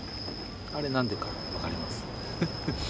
あれ何でか分かります？